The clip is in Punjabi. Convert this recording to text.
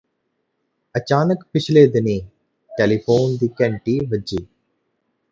ਅਚਾਨਕ ਪਿਛਲੇ ਦਿਨੀਂ ਟੈਲੀਫੂਨ ਦੀ ਘੰਟੀ ਵੱਜੀ